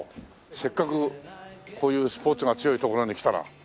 せっかくこういうスポーツが強いところに来たら。